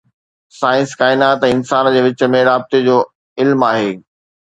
Science ڪائنات ۽ انسان جي وچ ۾ رابطي جو علم آهي.